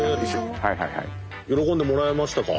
喜んでもらえましたか？